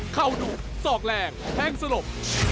เข้าดุซอกแรงแพ้งสลบ